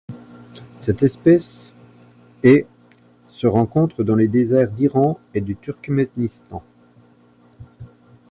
Cette espèce est se rencontre dans les déserts d'Iran et du Turkménistan.